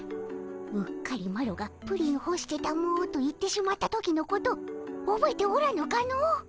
うっかりマロがプリンほしてたもと言ってしまった時のことおぼえておらぬかの。